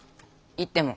行っても。